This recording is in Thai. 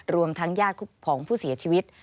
รวมทั้งญาติของผู้เสียชีวิต